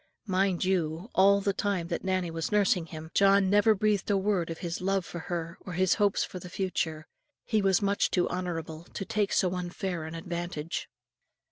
Mind you, all the time that Nannie was nursing him, John never breathed a word of his love for her or his hopes for the future, he was much too honourable to take so unfair an advantage.